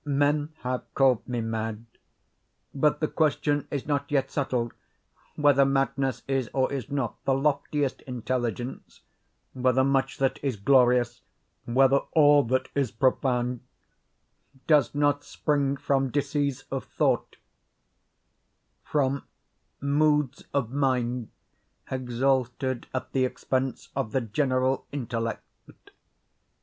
Men have called me mad; but the question is not yet settled, whether madness is or is not the loftiest intelligence—whether much that is glorious—whether all that is profound—does not spring from disease of thought—from moods of mind exalted at the expense of the general intellect.